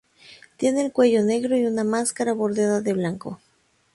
Tiene el cuello negro y una máscara bordeada de blanco.